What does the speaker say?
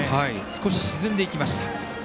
少し沈んでいきました。